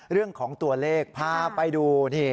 เรื่องของตัวเลขพาไปดูนี่